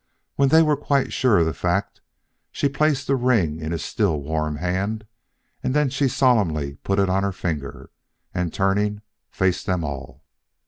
When they were quite sure of the fact, she placed the ring in his still warm hand; then she solemnly put it on her finger, and turning, faced them all.